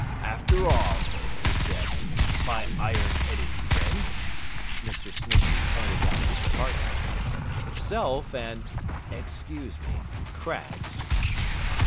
'After all,' he said, 'my iron headed friend—' Mr. Snitchey pointed out his partner. 'Self and—excuse me—Craggs.